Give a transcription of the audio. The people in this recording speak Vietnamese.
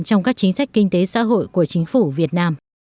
trong các chính sách kinh tế xã hội của chính phủ việt nam